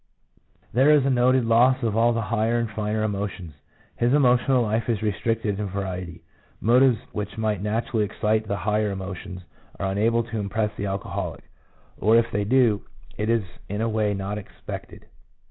There is a noted loss of all the higher and finer emotions, his emotional life is restricted in variety. Motives which might naturally excite the higher emotions are unable to impress the alcoholic, or if they do, it is in a way not expected.